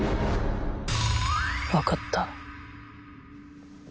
わかった。